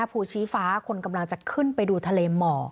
ภูชีฟ้าคนกำลังจะขึ้นไปดูทะเลหมอก